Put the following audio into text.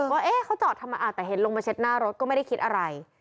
ว่าเอ๊ะเค้าจอดธรรมน์อ่ะแต่เห็นลงมาเช็ดหน้ารถก็ไม่ได้คิดอะไร